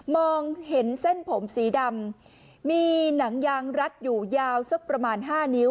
มองเห็นเส้นผมสีดำมีหนังยางรัดอยู่ยาวสักประมาณห้านิ้ว